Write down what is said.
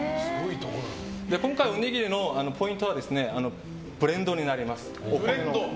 今回、おにぎりのポイントはブレンドになります。